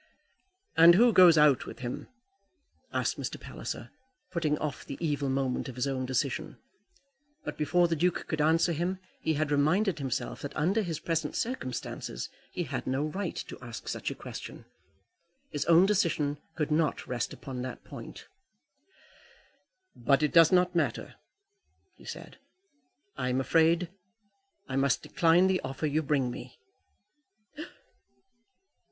"And who goes out with him?" asked Mr. Palliser, putting off the evil moment of his own decision; but before the Duke could answer him, he had reminded himself that under his present circumstances he had no right to ask such a question. His own decision could not rest upon that point. "But it does not matter," he said; "I am afraid I must decline the offer you bring me."